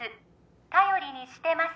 頼りにしてます